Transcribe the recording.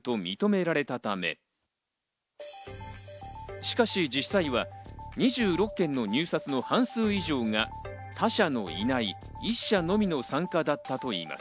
しかし実際は２６件の入札の半数以上が他社のいない１社のみの参加だったといいます。